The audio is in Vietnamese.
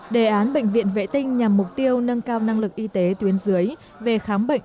đề án bệnh viện vệ tinh nhằm mục tiêu nâng cao năng lực y tế tuyến dưới về khám bệnh